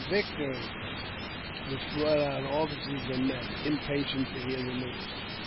victory !" which brought out officers and men, impatient to hear the news.